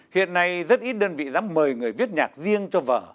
hiện nay rất ít đơn vị dám mời người viết nhạc riêng cho vở